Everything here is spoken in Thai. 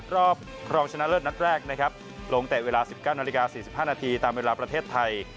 รอบรองชนะเลิศนัดแรกนะครับลงเตะเวลา๑๙นาฬิกา๔๕นาทีตามเวลาประเทศไทย